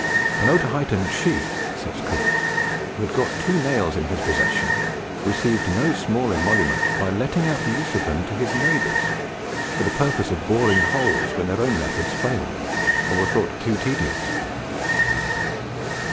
"An Otaheitan chief," says Cook, "who had got two nails in his possession, received no small emolument by letting out the use of them to his neighbours for the purpose of boring holes when their own methods failed, or were thought too tedious."